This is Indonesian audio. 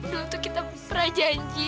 dulu tuh kita pernah janji